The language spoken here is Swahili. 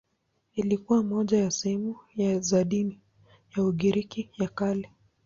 Ilikuwa moja ya sehemu za dini ya Ugiriki ya Kale.